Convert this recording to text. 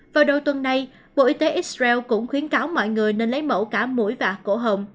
vào đầu tuần này bộ y tế israel cũng khuyến cáo mọi người nên lấy mẫu cả mũi và cổ hồng